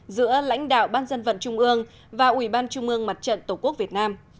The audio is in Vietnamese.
giữa lãnh đạo ban dân vận trung ương và ủy ban trung ương mặt trận tổ quốc việt nam